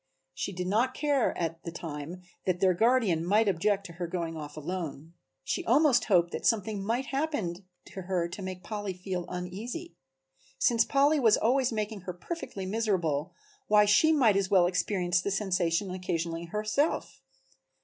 She did not care at the time that their guardian might object to her going off alone. She almost hoped that something might happen to her to make Polly feel uneasy. Since Polly was always making her perfectly miserable why she might as well experience the sensation occasionally herself.